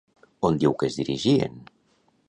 On diu que es dirigien?